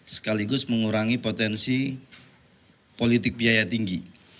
sekaligus mengurangi potensi politik biaya tinggi